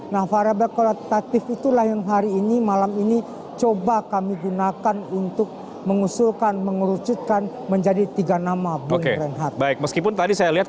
nah variable kualitatif itulah yang hari ini malam ini coba kami gunakan untuk mengusulkan mengerucutkan menjadi tiga nama bung renhat